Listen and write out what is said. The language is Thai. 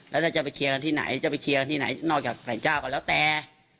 แล้วถ้าจะไปเคลียร์กันที่ไหนจะไปเคลียร์กันที่ไหนนอกจากไหนเจ้าก็แล้วแต่